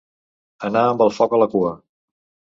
Anar amb el foc a la cua.